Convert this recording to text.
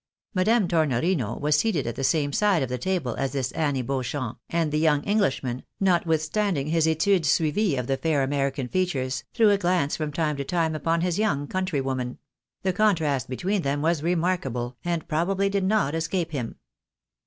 Madame Tornorino was seated at the same side of the table as this Annie Beauchamp, and the young Englishman, notwithstanding his etude suivie of the fair American features, threw a glance from time to time upon his young countrywoman ; the contrast between them was remarkable, and probably did not escape him.